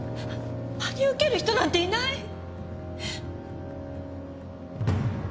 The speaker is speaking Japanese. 真に受ける人なんていない。